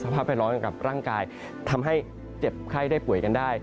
ภาพภัยร้อนกับร่างกายทำให้เจ็บไข้ได้ป่วยกันได้